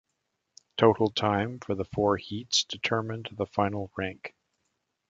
Total time for the four heats determined the final rank.